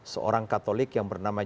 seorang katolik yang bernama